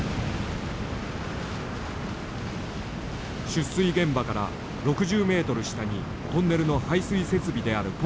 出水現場から６０ｍ下にトンネルの排水設備であるポンプ室があった。